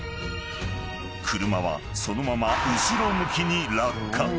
［車はそのまま後ろ向きに落下］